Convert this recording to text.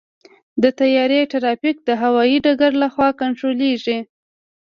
د طیارې ټرافیک د هوايي ډګر لخوا کنټرولېږي.